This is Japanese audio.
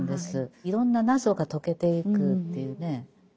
いろんな謎が解けていくっていうね。